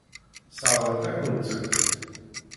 Sseṛɣent-akent-tent.